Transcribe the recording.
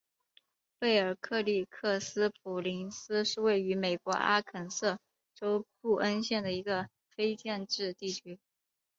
贝尔克里克斯普林斯是位于美国阿肯色州布恩县的一个非建制地区。